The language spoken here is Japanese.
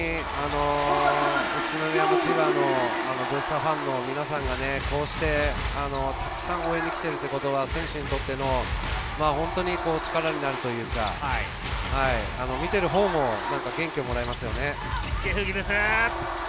宇都宮と千葉のブースター、ファンの皆さんがこうしてたくさん応援に来ているということは選手にとって力になるというか、見ているほうも元気をもらえますよね。